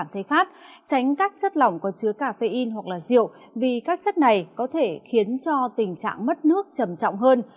tránh các chất lỏng có chứa caffeine hoặc rượu vì các chất này có thể khiến tình trạng mất nước trầm trọng hơn